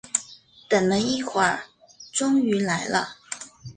等了一会儿终于来了